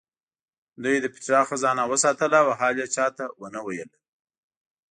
دوی د پیترا خزانه وساتله او حال یې چا ته ونه ویلو.